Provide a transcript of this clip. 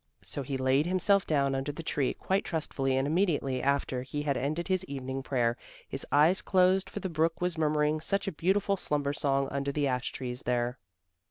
So he laid himself down under the tree quite trustfully and immediately after he had ended his evening prayer, his eyes closed, for the brook was murmuring such a beautiful slumber song under the ash trees there.